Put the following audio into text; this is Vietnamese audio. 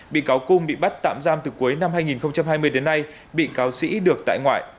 bị cáo cung bị bắt tạm giam từ cuối năm hai nghìn hai mươi đến nay bị cáo sĩ được tại ngoại